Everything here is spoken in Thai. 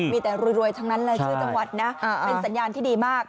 มีแต่รวยทั้งนั้นรายชื่อจังหวัดนะเป็นสัญญาณที่ดีมาก